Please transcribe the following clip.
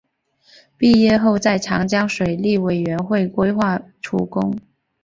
毕业后在长江水利委员会规划处工。